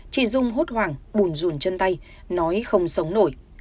chị dung hốt hoảng bùn dùn chân tay nói không sống nổi